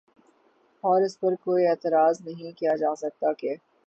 اور اس پر کوئی اعتراض نہیں کیا جا سکتا کہ